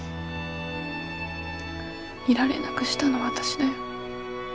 いられなくしたの私だよ。